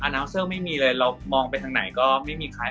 น้ำเซอร์ไม่มีเลยเรามองไปทางไหนก็ไม่มีใคร